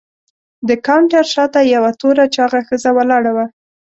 د کاونټر شاته یوه توره چاغه ښځه ولاړه وه.